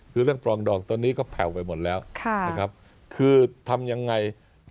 คือเรื่องปลองดองตอนนี้ก็แผ่วไปหมดแล้วนะครับคือทำยังไง